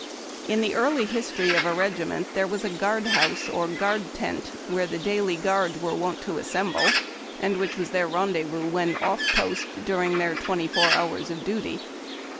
In the early history of a regiment there was a guard house or guard tent wdiere the daily guard were CARRYING A LOG. OFFENCES AND PUNISHMENTS. I45 wont to assemble, and which was their rendezvous when off post during their twenty four hours of duty.